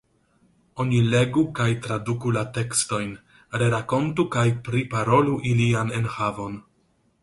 Oni legu kaj traduku la tekstojn, rerakontu kaj priparolu ilian enhavon.